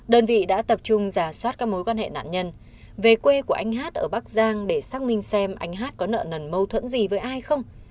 đơn vị đã tập trung giả soát các mối quan hệ nạn nhân về quê của anh hát ở bắc giang để xác minh xem anh hát có nợ nần mâu thuẫn gì với ai không